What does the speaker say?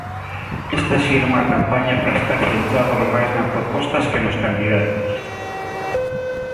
"Esta si era unha campaña para estar centrados máis nas propostas que nos candidatos".